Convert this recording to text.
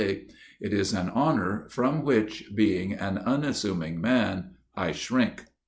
It is an honour from which, being an unassuming man, I shrink.